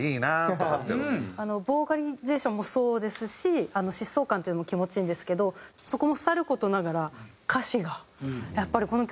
ボーカリゼーションもそうですし疾走感っていうのも気持ちいいんですけどそこもさる事ながら歌詞がやっぱりこの曲